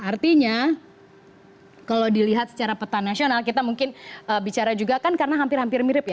artinya kalau dilihat secara peta nasional kita mungkin bicara juga kan karena hampir hampir mirip ya